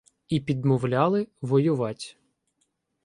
І підмовляли воювать.